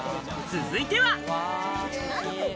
続いては。